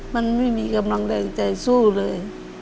มันไม่มีกำลังแรงใจสู้เลย